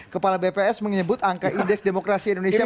kepala bps menyebut angka indeks demokrasi indonesia